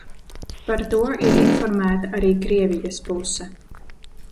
Par to ir informēta arī Krievijas puse.